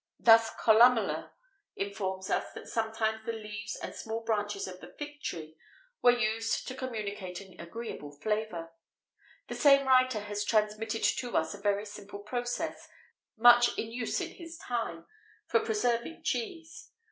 [XVIII 58] Thus Columella informs us that sometimes the leaves and small branches of the fig tree were used to communicate an agreeable flavour.[XVIII 59] The same writer has transmitted to us a very simple process, much in use in his time, for preserving cheese.